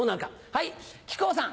はい。